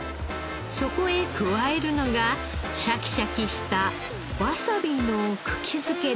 そこへ加えるのがシャキシャキしたわさびの茎漬けです。